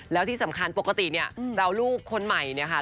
แล้วที่สำคัญปกติเนี่ยจะเอาลูกคนใหม่เนี่ยค่ะ